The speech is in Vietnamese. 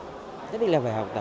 chắc là phải học tập